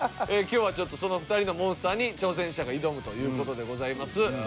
今日はちょっとその２人のモンスターに挑戦者が挑むという事でございます。